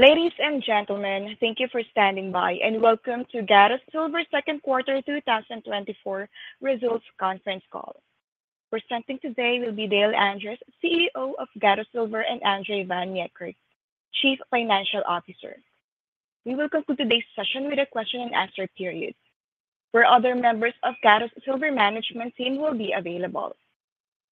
Ladies and gentlemen, thank you for standing by, and welcome to Gatos Silver second quarter 2024 results conference call. Presenting today will be Dale Andres, CEO of Gatos Silver, and André van Niekerk, Chief Financial Officer. We will conclude today's session with a question and answer period, where other members of Gatos Silver management team will be available.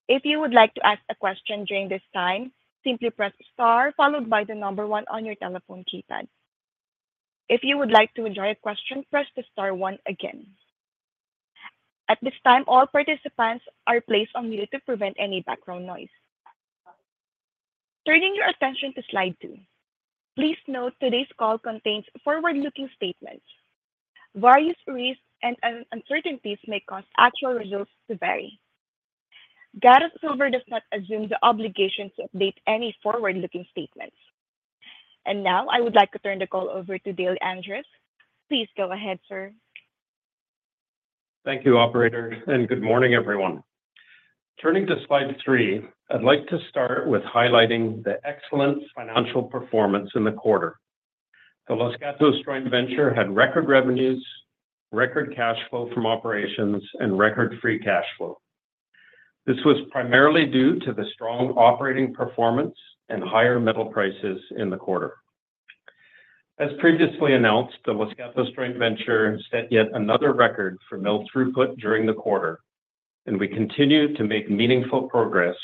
If you would like to ask a question during this time, simply press Star followed by the number 1 on your telephone keypad. If you would like to withdraw a question, press the star 1 again. At this time, all participants are placed on mute to prevent any background noise. Turning your attention to slide 2. Please note today's call contains forward-looking statements. Various risks and uncertainties may cause actual results to vary. Gatos Silver does not assume the obligation to update any forward-looking statements. And now, I would like to turn the call over to Dale Andres. Please go ahead, sir. Thank you, operator, and good morning, everyone. Turning to slide 3, I'd like to start with highlighting the excellent financial performance in the quarter. The Los Gatos Joint Venture had record revenues, record cash flow from operations, and record free cash flow. This was primarily due to the strong operating performance and higher metal prices in the quarter. As previously announced, the Los Gatos Joint Venture set yet another record for mill throughput during the quarter, and we continued to make meaningful progress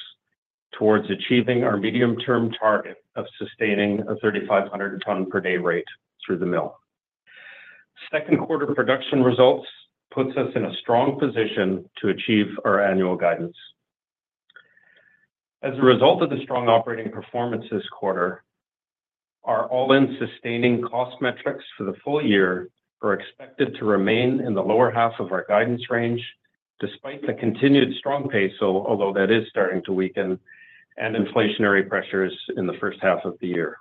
towards achieving our medium-term target of sustaining a 3,500 tonne per day rate through the mill. Second quarter production results puts us in a strong position to achieve our annual guidance. As a result of the strong operating performance this quarter, our all-in sustaining cost metrics for the full year are expected to remain in the lower half of our guidance range, despite the continued strong peso, although that is starting to weaken, and inflationary pressures in the first half of the year.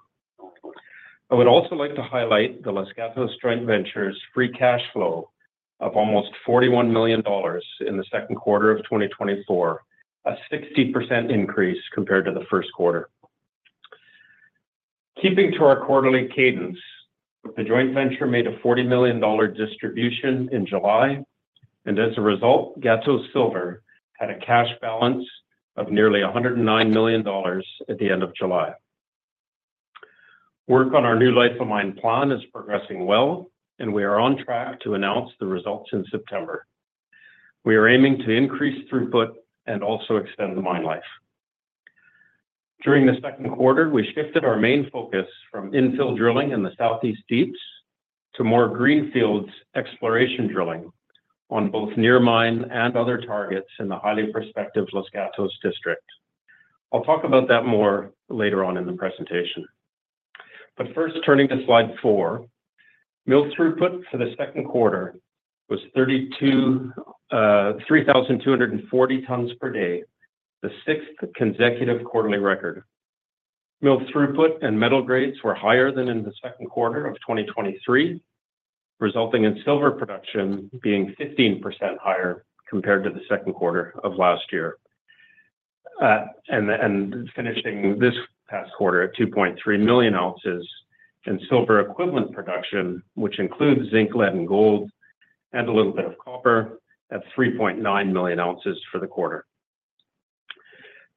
I would also like to highlight the Los Gatos Joint Venture's free cash flow of almost $41 million in the second quarter of 2024, a 60% increase compared to the first quarter. Keeping to our quarterly cadence, the joint venture made a $40 million distribution in July, and as a result, Gatos Silver had a cash balance of nearly $109 million at the end of July. Work on our new life of mine plan is progressing well, and we are on track to announce the results in September. We are aiming to increase throughput and also extend the mine life. During the second quarter, we shifted our main focus from infill drilling in the South-East Deeps to more greenfields exploration drilling on both near mine and other targets in the highly prospective Los Gatos District. I'll talk about that more later on in the presentation. But first, turning to slide 4, mill throughput for the second quarter was 3,234 tonnes per day, the sixth consecutive quarterly record. Mill throughput and metal grades were higher than in the second quarter of 2023, resulting in silver production being 15% higher compared to the second quarter of last year. And finishing this past quarter at 2.3 million ounces, and silver equivalent production, which includes zinc, lead, and gold, and a little bit of copper, at 3.9 million ounces for the quarter.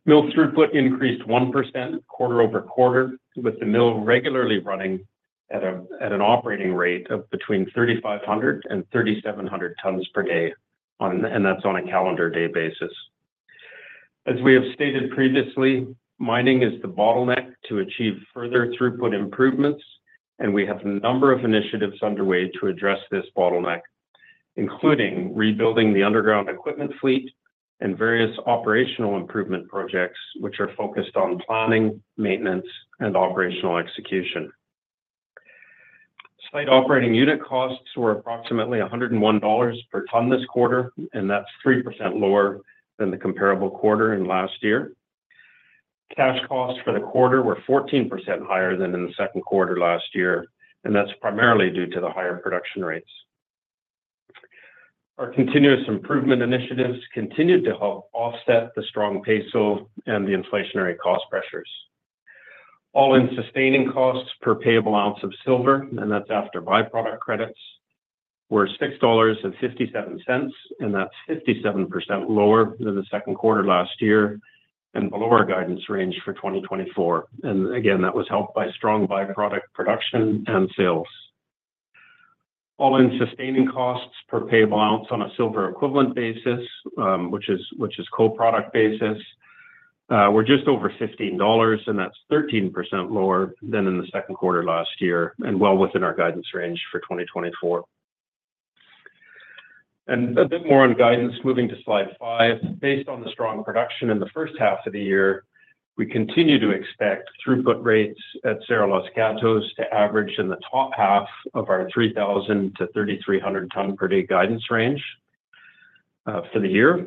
Mill throughput increased 1% quarter-over-quarter, with the mill regularly running at an operating rate of between 3,500 and 3,700 tonnes per day on a calendar day basis. As we have stated previously, mining is the bottleneck to achieve further throughput improvements, and we have a number of initiatives underway to address this bottleneck, including rebuilding the underground equipment fleet and various operational improvement projects, which are focused on planning, maintenance, and operational execution. Site operating unit costs were approximately $101 per tonne this quarter, and that's 3% lower than the comparable quarter in last year. Cash costs for the quarter were 14% higher than in the second quarter last year, and that's primarily due to the higher production rates. Our continuous improvement initiatives continued to help offset the strong peso and the inflationary cost pressures. All-in sustaining costs per payable ounce of silver, and that's after by-product credits, were $6.57, and that's 57% lower than the second quarter last year and below our guidance range for 2024. And again, that was helped by strong by-product production and sales. All-in sustaining costs per payable ounce on a silver equivalent basis, which is co-product basis, were just over $15, and that's 13% lower than in the second quarter last year and well within our guidance range for 2024. And a bit more on guidance, moving to slide five. Based on the strong production in the first half of the year, we continue to expect throughput rates at Cerro Los Gatos to average in the top half of our 3,000-3,300 tonnes per day guidance range for the year.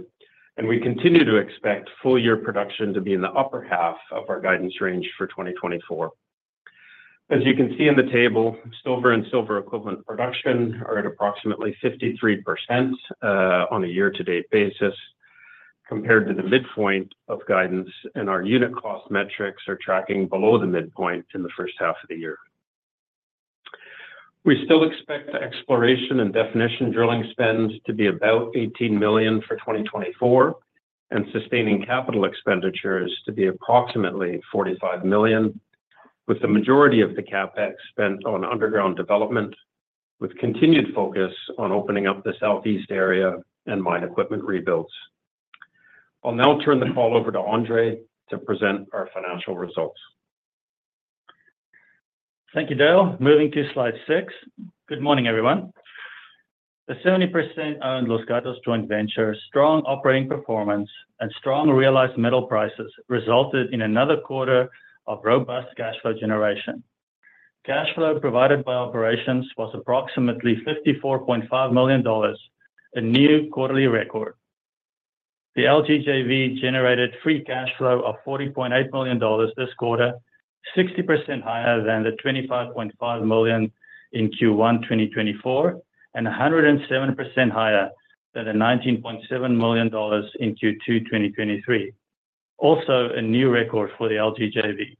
We continue to expect full year production to be in the upper half of our guidance range for 2024. As you can see in the table, silver and silver equivalent production are at approximately 53% on a year-to-date basis compared to the midpoint of guidance, and our unit cost metrics are tracking below the midpoint in the first half of the year. We still expect the exploration and definition drilling spends to be about $18 million for 2024, and sustaining capital expenditures to be approximately $45 million, with the majority of the CapEx spent on underground development, with continued focus on opening up the southeast area and mine equipment rebuilds. I'll now turn the call over to André to present our financial results. Thank you, Dale. Moving to slide six. Good morning, everyone. The 70% owned Los Gatos Joint Venture, strong operating performance, and strong realized metal prices resulted in another quarter of robust cash flow generation. Cash flow provided by operations was approximately $54.5 million, a new quarterly record. The LGJV generated free cash flow of $40.8 million this quarter, 60% higher than the $25.5 million in Q1 2024, and 107% higher than the $19.7 million in Q2 2023. Also, a new record for the LGJV.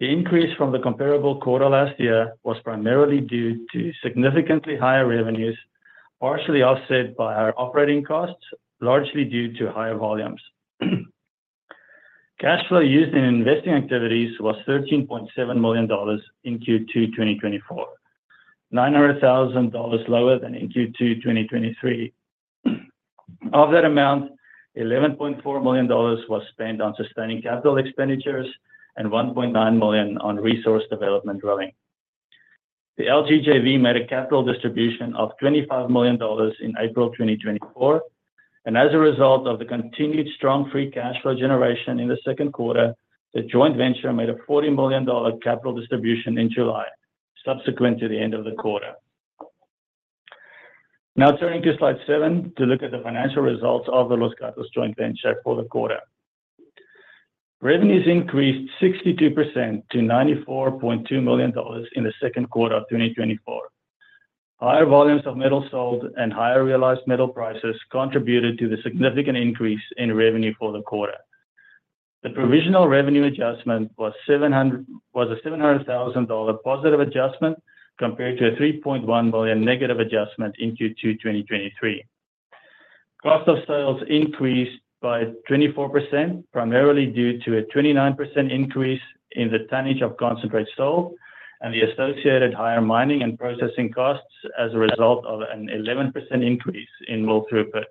The increase from the comparable quarter last year was primarily due to significantly higher revenues, partially offset by our operating costs, largely due to higher volumes. Cash flow used in investing activities was $13.7 million in Q2 2024, $900,000 lower than in Q2 2023. Of that amount, $11.4 million was spent on sustaining capital expenditures and $1.9 million on resource development drilling. The LGJV made a capital distribution of $25 million in April 2024, and as a result of the continued strong free cash flow generation in the second quarter, the joint venture made a $40 million capital distribution in July, subsequent to the end of the quarter. Now turning to slide 7 to look at the financial results of the Los Gatos Joint Venture for the quarter. Revenues increased 62% to $94.2 million in the second quarter of 2024. Higher volumes of metal sold and higher realized metal prices contributed to the significant increase in revenue for the quarter. The provisional revenue adjustment was a $700,000 positive adjustment, compared to a $3.1 million negative adjustment in Q2 2023. Cost of sales increased by 24%, primarily due to a 29% increase in the tonnage of concentrate sold and the associated higher mining and processing costs as a result of an 11% increase in mill throughput.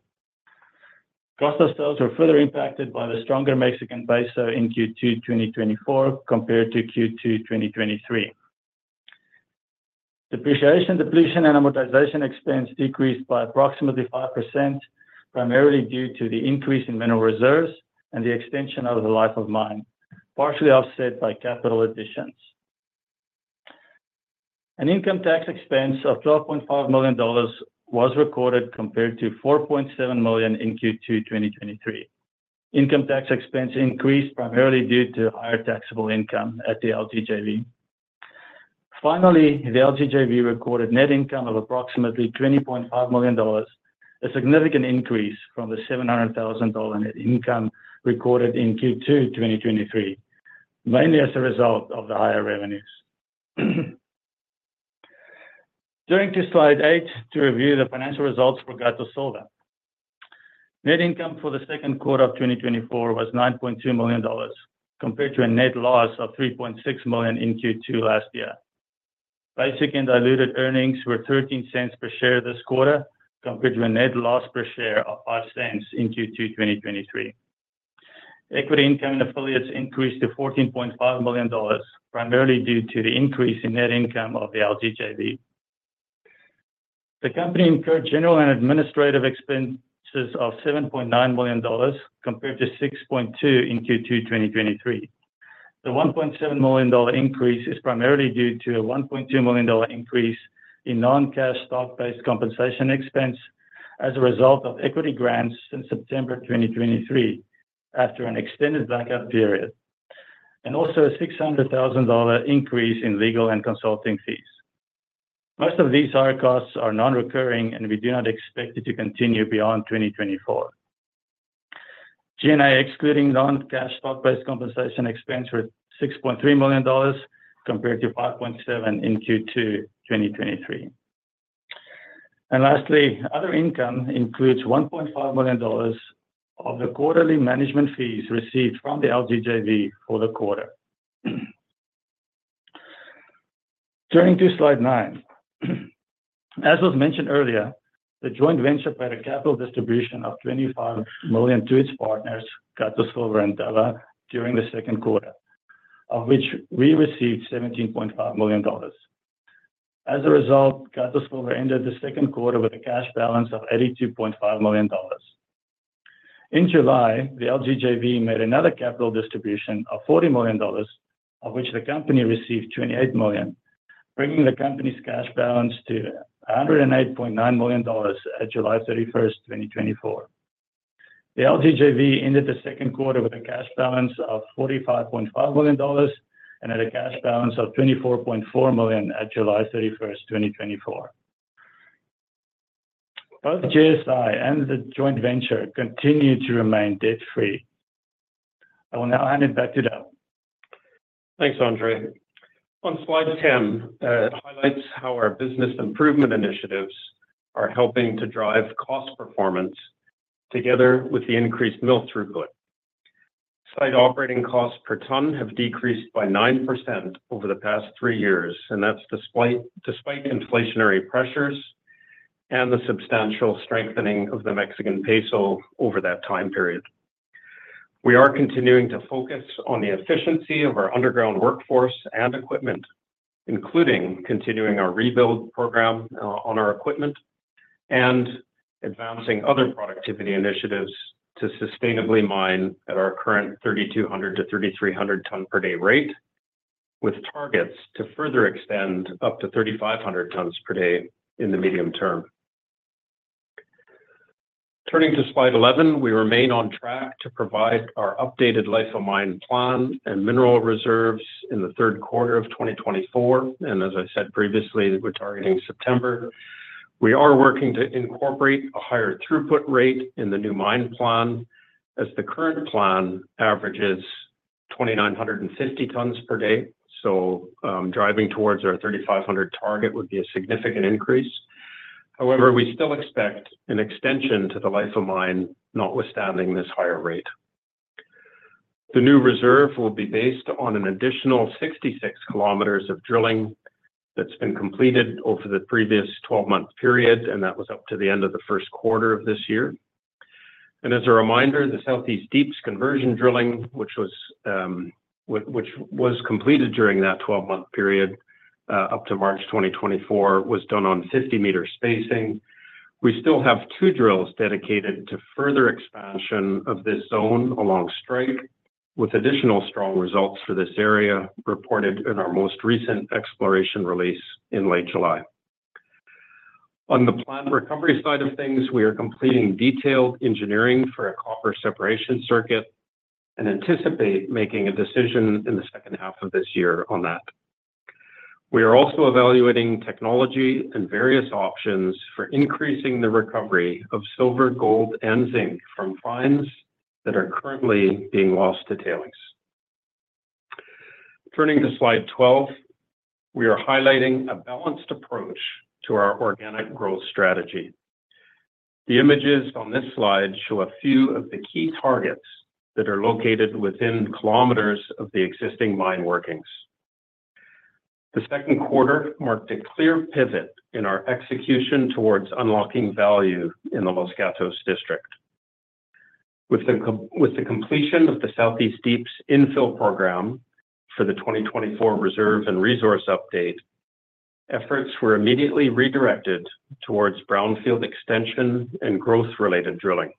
Cost of sales were further impacted by the stronger Mexican peso in Q2 2024, compared to Q2 2023. Depreciation, depletion, and amortization expense decreased by approximately 5%, primarily due to the increase in mineral reserves and the extension of the life of mine, partially offset by capital additions. An income tax expense of $12.5 million was recorded compared to $4.7 million in Q2 2023. Income tax expense increased primarily due to higher taxable income at the LGJV. Finally, the LGJV recorded net income of approximately $20.5 million, a significant increase from the $700,000 net income recorded in Q2 2023, mainly as a result of the higher revenues. Turning to slide 8, to review the financial results for Gatos Silver. Net income for the second quarter of 2024 was $9.2 million, compared to a net loss of $3.6 million in Q2 last year. Basic and diluted earnings were $0.13 per share this quarter, compared to a net loss per share of $0.05 in Q2 2023. Equity income in affiliates increased to $14.5 million, primarily due to the increase in net income of the LGJV. The company incurred general and administrative expenses of $7.9 million, compared to $6.2 million in Q2 2023. The $1.7 million increase is primarily due to a $1.2 million increase in non-cash stock-based compensation expense as a result of equity grants since September 2023, after an extended blackout period, and also a $600,000 increase in legal and consulting fees. Most of these higher costs are non-recurring, and we do not expect it to continue beyond 2024. G&A, excluding non-cash stock-based compensation expense, was $6.3 million, compared to $5.7 million in Q2 2023. Lastly, other income includes $1.5 million of the quarterly management fees received from the LGJV for the quarter. Turning to slide 9. As was mentioned earlier, the joint venture paid a capital distribution of $25 million to its partners, Gatos Silver and Dowa, during the second quarter, of which we received $17.5 million. As a result, Gatos Silver ended the second quarter with a cash balance of $82.5 million. In July, the LGJV made another capital distribution of $40 million, of which the company received $28 million, bringing the company's cash balance to $108.9 million at July 31, 2024. The LGJV ended the second quarter with a cash balance of $45.5 million and at a cash balance of $24.4 million at July 31st, 2024... Both GSI and the joint venture continue to remain debt-free. I will now hand it back to Dale. Thanks, André. On slide 10, it highlights how our business improvement initiatives are helping to drive cost performance together with the increased mill throughput. Site operating costs per tonne have decreased by 9% over the past 3 years, and that's despite inflationary pressures and the substantial strengthening of the Mexican peso over that time period. We are continuing to focus on the efficiency of our underground workforce and equipment, including continuing our rebuild program on our equipment and advancing other productivity initiatives to sustainably mine at our current 3,200 to 3,300 tonne per day rate, with targets to further extend up to 3,500 tonnes per day in the medium term. Turning to slide 11, we remain on track to provide our updated life of mine plan and mineral reserves in the third quarter of 2024, and as I said previously, we're targeting September. We are working to incorporate a higher throughput rate in the new mine plan, as the current plan averages 2,950 tonnes per day. So, driving towards our 3,500 target would be a significant increase. However, we still expect an extension to the life of mine, notwithstanding this higher rate. The new reserve will be based on an additional 66 kilometers of drilling that's been completed over the previous 12-month period, and that was up to the end of the first quarter of this year. As a reminder, the South-East Deeps conversion drilling, which was completed during that 12-month period up to March 2024, was done on 50-meter spacing. We still have two drills dedicated to further expansion of this zone along strike, with additional strong results for this area reported in our most recent exploration release in late July. On the plant recovery side of things, we are completing detailed engineering for a copper separation circuit and anticipate making a decision in the second half of this year on that. We are also evaluating technology and various options for increasing the recovery of silver, gold, and zinc from fines that are currently being lost to tailings. Turning to slide 12, we are highlighting a balanced approach to our organic growth strategy. The images on this slide show a few of the key targets that are located within kilometers of the existing mine workings. The second quarter marked a clear pivot in our execution towards unlocking value in the Los Gatos District. With the completion of the South-East Deeps infill program for the 2024 reserve and resource update, efforts were immediately redirected towards brownfield extension and growth-related drilling.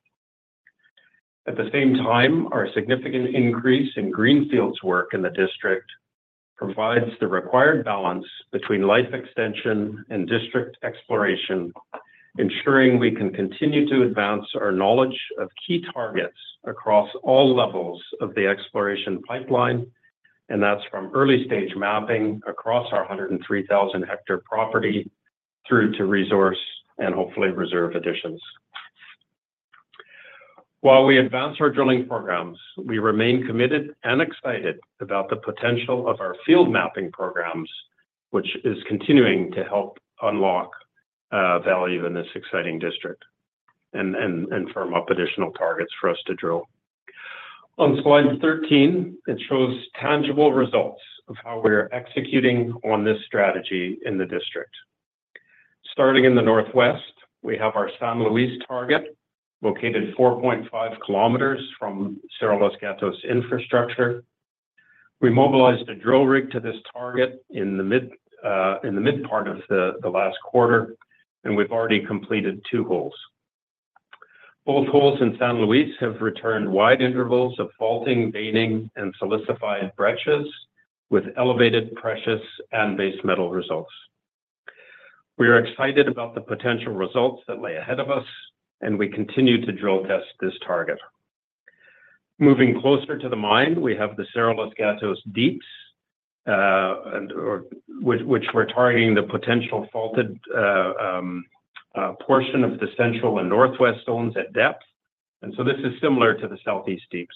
At the same time, our significant increase in greenfields work in the district provides the required balance between life extension and district exploration, ensuring we can continue to advance our knowledge of key targets across all levels of the exploration pipeline, and that's from early-stage mapping across our 103,000 hectare property, through to resource and hopefully reserve additions. While we advance our drilling programs, we remain committed and excited about the potential of our field mapping programs, which is continuing to help unlock value in this exciting district and firm up additional targets for us to drill. On slide 13, it shows tangible results of how we are executing on this strategy in the district. Starting in the North-West, we have our San Luis target, located 4.5 kilometers from Cerro Los Gatos infrastructure. We mobilized a drill rig to this target in the mid part of the last quarter, and we've already completed 2 holes. Both holes in San Luis have returned wide intervals of faulting, veining, and silicified breccias, with elevated precious and base metal results. We are excited about the potential results that lay ahead of us, and we continue to drill test this target. Moving closer to the mine, we have the Cerro Los Gatos Deeps, which we're targeting the potential faulted portion of the Central and North-West zones at depth, and so this is similar to the South-East Deeps.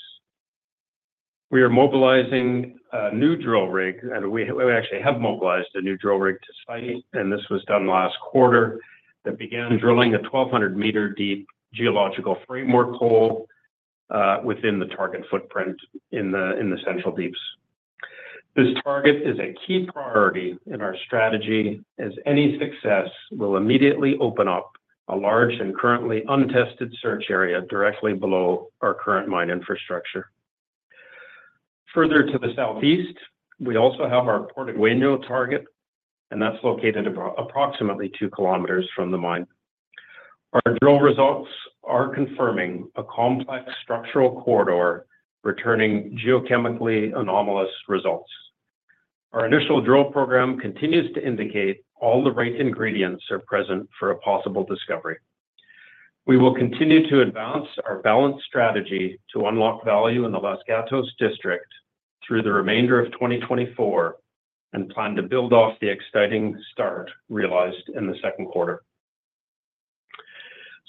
We are mobilizing a new drill rig, and we actually have mobilized a new drill rig to site, and this was done last quarter, that began drilling a 1,200-meter-deep geological framework hole, within the target footprint in the Central Deeps. This target is a key priority in our strategy, as any success will immediately open up a large and currently untested search area directly below our current mine infrastructure. Further to the southeast, we also have our Porteño target, and that's located approximately 2 kilometers from the mine. Our drill results are confirming a complex structural corridor returning geochemically anomalous results. Our initial drill program continues to indicate all the right ingredients are present for a possible discovery. We will continue to advance our balanced strategy to unlock value in the Los Gatos District through the remainder of 2024, and plan to build off the exciting start realized in the second quarter.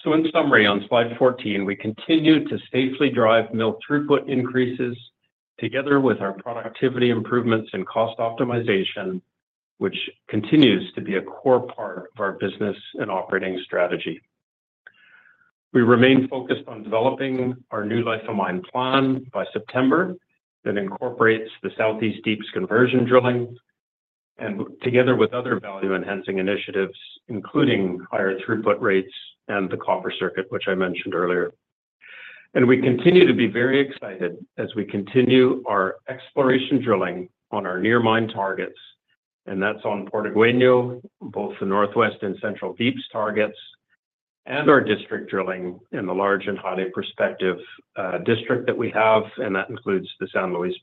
So in summary, on slide 14, we continued to safely drive mill throughput increases together with our productivity improvements and cost optimization, which continues to be a core part of our business and operating strategy. We remain focused on developing our new life of mine plan by September, that incorporates the South-East Deeps conversion drilling, and together with other value-enhancing initiatives, including higher throughput rates and the copper circuit, which I mentioned earlier. We continue to be very excited as we continue our exploration drilling on our near mine targets, and that's on Porteño, both the North-West and Central Deeps targets, and our district drilling in the large and highly prospective district that we have, and that includes the San Luis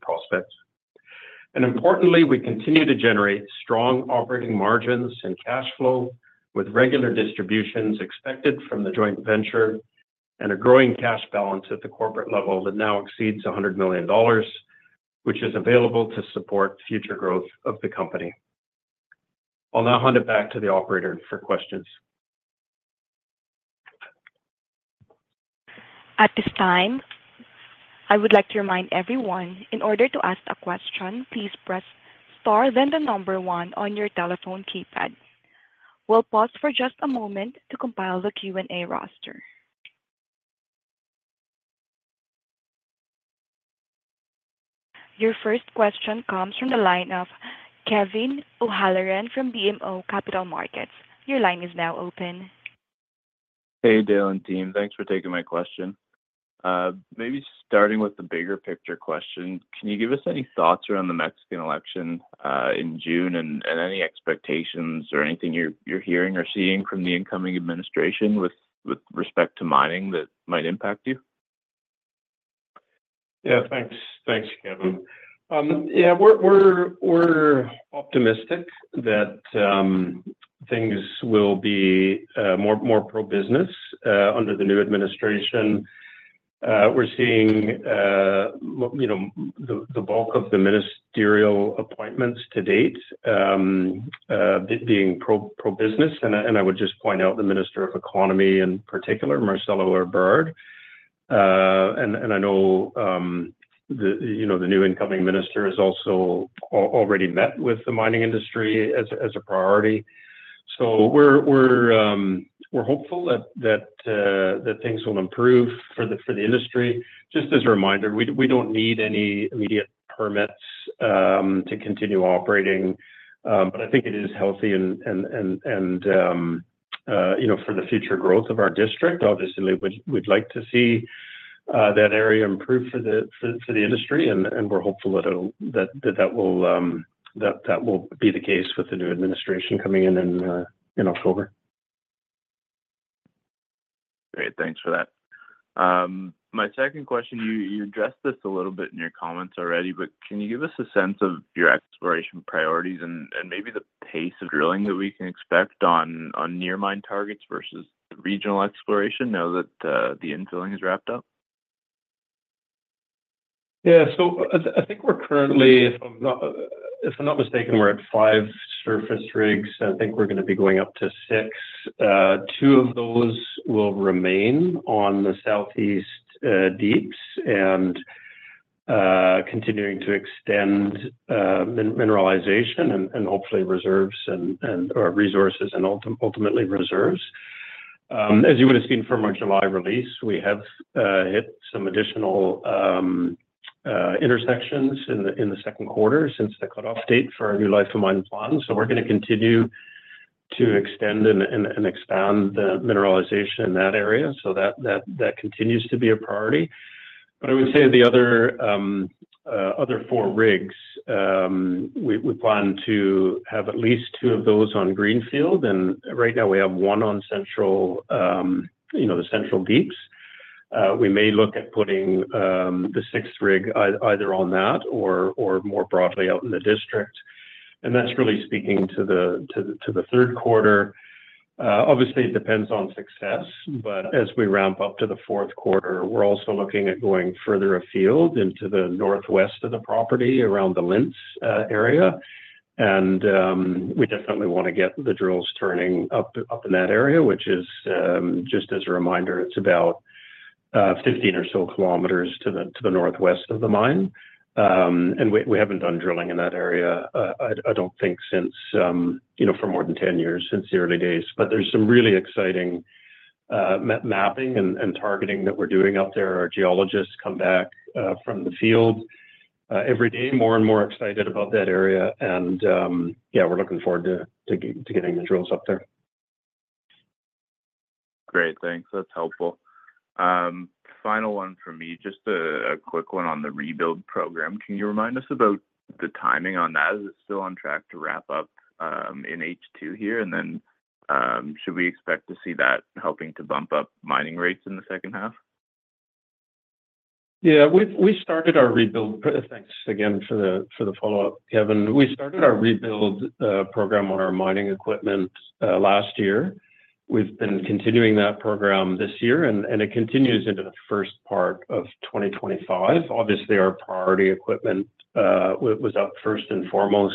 Prospect. Importantly, we continue to generate strong operating margins and cash flow, with regular distributions expected from the joint venture and a growing cash balance at the corporate level that now exceeds $100 million, which is available to support future growth of the company. I'll now hand it back to the operator for questions. At this time, I would like to remind everyone, in order to ask a question, please press Star, then the number one on your telephone keypad. We'll pause for just a moment to compile the Q&A roster. Your first question comes from the line of Kevin O'Halloran from BMO Capital Markets. Your line is now open. Hey, Dale and team. Thanks for taking my question. Maybe starting with the bigger picture question, can you give us any thoughts around the Mexican election in June, and any expectations or anything you're hearing or seeing from the incoming administration with respect to mining that might impact you? Yeah, thanks. Thanks, Kevin. Yeah, we're optimistic that things will be more pro-business under the new administration. We're seeing, you know, the bulk of the ministerial appointments to date being pro-business. And I would just point out the Minister of Economy, in particular, Marcelo Ebrard. And I know the new incoming minister has also already met with the mining industry as a priority. We're hopeful that things will improve for the industry. Just as a reminder, we don't need any immediate permits to continue operating. But I think it is healthy and you know, for the future growth of our district, obviously, we'd like to see that area improve for the industry, and we're hopeful that it will be the case with the new administration coming in in October. Great, thanks for that. My second question, you addressed this a little bit in your comments already, but can you give us a sense of your exploration priorities and maybe the pace of drilling that we can expect on near mine targets versus the regional exploration now that the infilling is wrapped up? Yeah. So I think we're currently, if I'm not mistaken, we're at 5 surface rigs. I think we're gonna be going up to 6. Two of those will remain on the South-East Deeps and continuing to extend mineralization and hopefully reserves and resources and ultimately reserves. As you would have seen from our July release, we have hit some additional intersections in the second quarter since the cutoff date for our new life of mine plan. So we're gonna continue to extend and expand the mineralization in that area. So that continues to be a priority. But I would say the other four rigs, we plan to have at least two of those on greenfields, and right now we have one on central, you know, the Central Deeps. We may look at putting the sixth rig either on that or more broadly out in the district, and that's really speaking to the third quarter. Obviously, it depends on success, but as we ramp up to the fourth quarter, we're also looking at going further afield into the North-West of the property, around the Lince area. And we definitely wanna get the drills turning up in that area, which is, just as a reminder, it's about 15 or so kilometers to the northwest of the mine. And we haven't done drilling in that area, I don't think since, you know, for more than 10 years, since the early days. But there's some really exciting mapping and targeting that we're doing out there. Our geologists come back from the field every day, more and more excited about that area. And yeah, we're looking forward to getting the drills up there. Great. Thanks. That's helpful. Final one for me, just a quick one on the rebuild program. Can you remind us about the timing on that? Is it still on track to wrap up in H2 here? And then, should we expect to see that helping to bump up mining rates in the second half? ...Yeah, we started our rebuild—thanks again for the follow-up, Kevin. We started our rebuild program on our mining equipment last year. We've been continuing that program this year, and it continues into the first part of 2025. Obviously, our priority equipment was up first and foremost.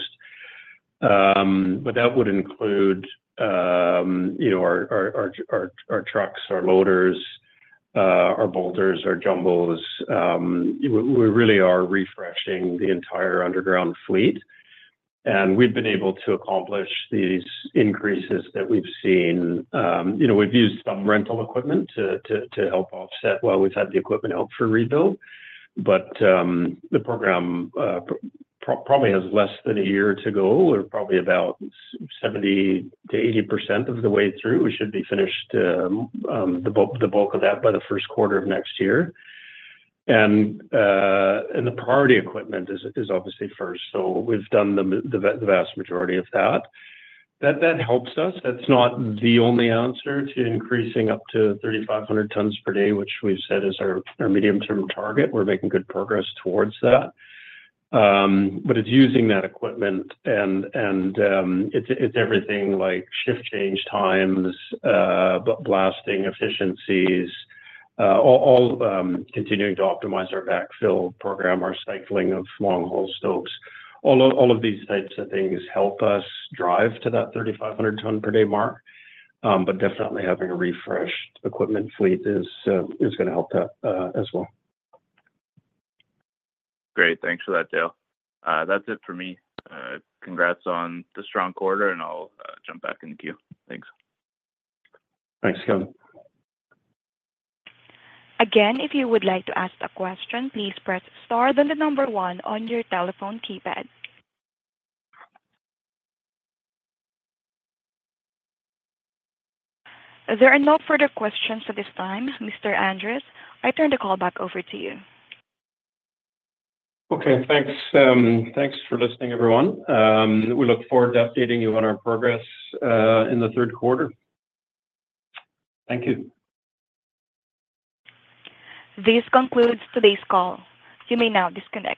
But that would include, you know, our trucks, our loaders, our bolters, our jumbos. We really are refreshing the entire underground fleet, and we've been able to accomplish these increases that we've seen. You know, we've used some rental equipment to help offset while we've had the equipment out for rebuild. But the program probably has less than a year to go, or probably about 70%-80% of the way through. We should be finished the bulk of that by the first quarter of next year. The priority equipment is obviously first, so we've done the vast majority of that. That helps us. That's not the only answer to increasing up to 3,500 tonnes per day, which we've said is our medium-term target. We're making good progress towards that. But it's using that equipment and it's everything like shift change times, blasting efficiencies, all continuing to optimize our backfill program, our cycling of longhole stopes. All of these types of things help us drive to that 3,500 tonne per day mark. But definitely having a refreshed equipment fleet is gonna help that as well. Great. Thanks for that, Dale. That's it for me. Congrats on the strong quarter, and I'll jump back in the queue. Thanks. Thanks, Kevin. Again, if you would like to ask a question, please press star, then the number one on your telephone keypad. There are no further questions at this time. Mr. Andres, I turn the call back over to you. Okay, thanks. Thanks for listening, everyone. We look forward to updating you on our progress in the third quarter. Thank you. This concludes today's call. You may now disconnect.